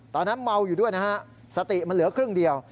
ตอนนั้นเมาอยู่ด้วยนะฮะสติมันเหลือครึ่งเดียว